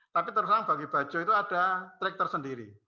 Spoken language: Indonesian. tapi terus terang bagi bajo itu ada trik tersendiri